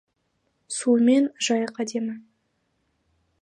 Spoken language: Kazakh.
Суымен Жайық әдемі.